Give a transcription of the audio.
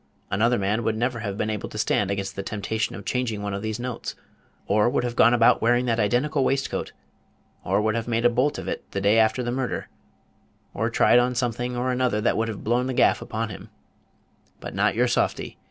Another man would never have been able to stand against the temptation of changing one of those notes; or would have gone about wearing that identical waistcoat; or would have made a bolt of it the day after the murder; or tried on something or another that would have blown the gaff upon him; but not your softy!